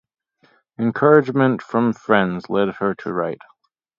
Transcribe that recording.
Encouragement from friends led her to write.